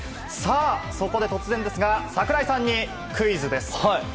さあ、そこで突然ですが櫻井さんにクイズです。